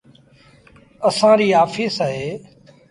اسآݩ ريٚ آڦيٚس اهي۔